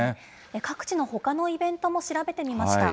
各地のほかのイベントも調べてみました。